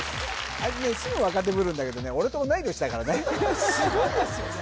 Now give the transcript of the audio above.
あいつねすぐ若手ぶるんだけど俺と同い年だからねすごいですよね